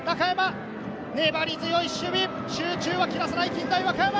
粘り強い守備、集中を切らさない近大和歌山。